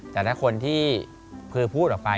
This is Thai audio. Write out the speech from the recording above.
แต่ถ้าคนที่พูดออกไป